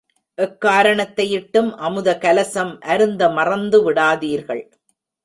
எக்காரணத்தையிட்டும் அமுத கலசம் அருந்த மறந்து விடாதீர்கள்.